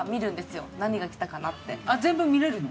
全文見れるの？